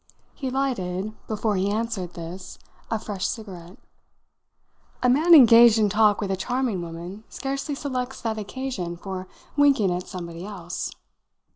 He lighted before he answered this a fresh cigarette. "A man engaged in talk with a charming woman scarcely selects that occasion for winking at somebody else."